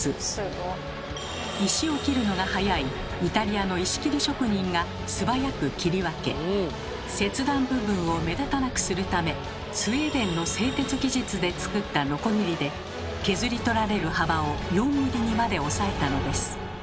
石を切るのが早いイタリアの石切り職人がすばやく切り分け切断部分を目立たなくするためスウェーデンの製鉄技術で作ったノコギリで削り取られる幅を４ｍｍにまで抑えたのです。